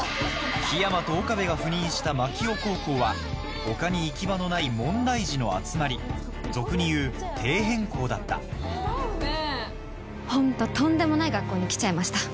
樹山と岡部が赴任した槙尾高校は他に行き場のない問題児の集まり俗に言う「底辺校」だったホントとんでもない学校に来ちゃいました。